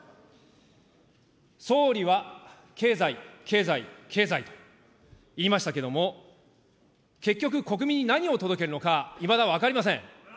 総理は経済、経済、経済と言いましたけれども、結局国民に何を届けるのかいまだ分かりません。